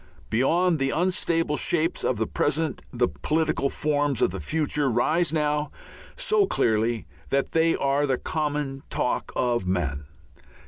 Beyond the unstable shapes of the present the political forms of the future rise now so clearly that they are the common talk of men.